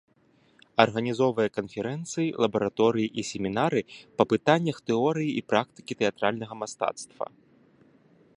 Арганізоўвае канферэнцыі, лабараторыі і семінары па пытаннях тэорыі і практыкі тэатральнага мастацтва.